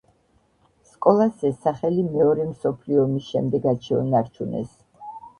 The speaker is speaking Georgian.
სკოლას ეს სახელი მეორე მსოფლიო იმის შემდეგადაც შეუნარჩუნეს.